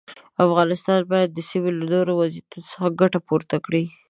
افغانستان باید د سیمې له نوي وضعیت څخه ګټه پورته کړي.